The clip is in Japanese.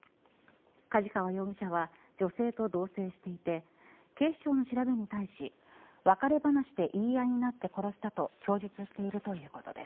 梶川容疑者は女性と同棲していて警視庁の調べに対し別れ話で言い合いになって殺したと供述しているということです。